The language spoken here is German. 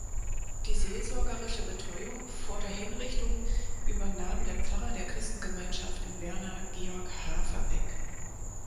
Die seelsorgerische Betreuung vor der Hinrichtung übernahm der Pfarrer der Christengemeinschaft Werner Georg Haverbeck.